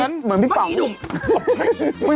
หัวน่ารักเลยแล้ว